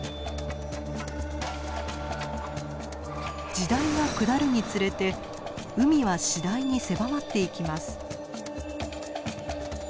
時代が下るにつれて海は次第に狭まっていきます。